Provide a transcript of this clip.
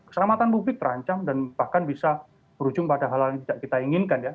keselamatan publik terancam dan bahkan bisa berujung pada hal hal yang tidak kita inginkan ya